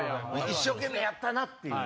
一生懸命やったなっていう。